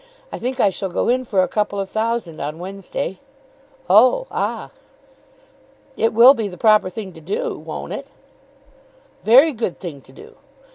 I think I shall go in for a couple of thousand on Wednesday." "Oh; ah." "It will be the proper thing to do; won't it?" "Very good thing to do!"